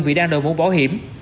vì đang đòi muốn bỏ hiểm